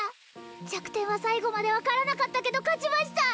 弱点は最後まで分からなかったけど勝ちました！